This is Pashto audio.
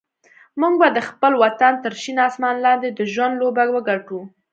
موږ به د خپل وطن تر شین اسمان لاندې د ژوند لوبه وګټو.